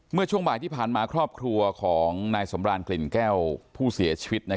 เมื่อช่วงบ่ายที่ผ่านมาครอบครัวของนายสำรานกลิ่นแก้วผู้เสียชีวิต